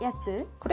これ？